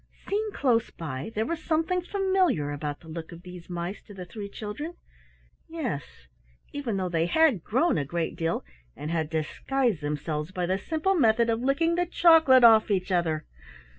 Seen close by there was something familiar about the look of these mice to the three children, yes, even though they had grown a great deal, and had disguised themselves by the simple method of licking the chocolate off each other!